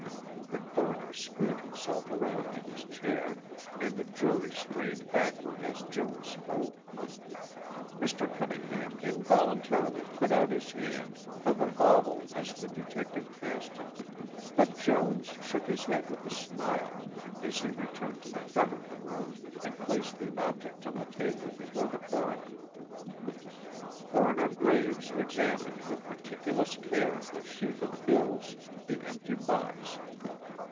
The coroner screwed himself around in his chair and the jury strained backward as Jones spoke. Mr. Cunningham involuntarily put out his hand for the bauble as the detective passed him, but Jones shook his head with a smile, as he returned to the front of the room and placed the objects on the table before the coroner. Coroner Graves examined with meticulous care the sheaf of bills, the empty box.